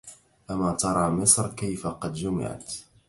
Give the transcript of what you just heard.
أما ترى مصر كيف قد جمعت